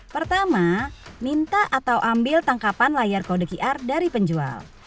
pertama minta atau ambil tangkapan layar kode qr dari penjual